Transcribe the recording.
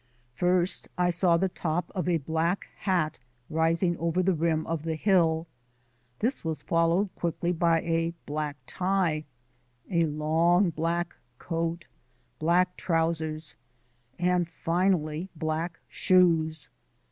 First I saw the top of a black hat rising over the rim of the hill. This was followed quickly by a black tie, a long black coat, black trousers, and, finally, black shoes.